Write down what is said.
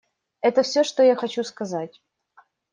Это все, что я хочу сказать.